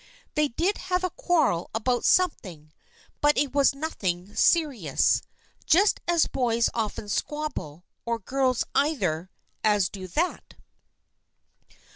They did have a quarrel about something, but it was nothing serious. Just as boys often squabble, or girls either, as to that.